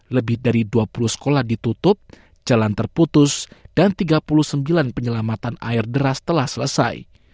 lebih dari dua puluh sekolah ditutup jalan terputus dan tiga puluh sembilan penyelamatan air deras telah selesai